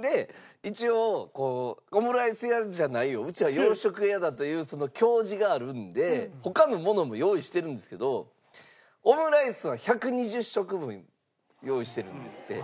で一応オムライス屋じゃないようちは洋食屋だというその矜持があるんで他のものも用意してるんですけどオムライスは１２０食分用意してるんですって。